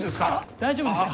大丈夫ですから。